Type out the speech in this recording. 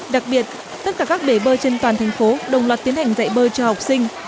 đặc biệt tất cả các bể bơi trên toàn thành phố đồng loạt tiến hành dạy bơi cho học sinh